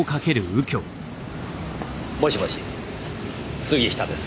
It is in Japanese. もしもし杉下です。